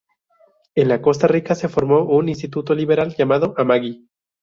En Costa Rica se formó un instituto liberal llamado "Amagi".